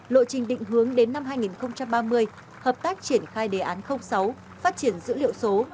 lộ trình định hướng đến năm hai nghìn ba mươi hợp tác triển khai đề án sáu phát triển dữ liệu số